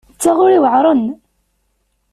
D taɣuri yuεren.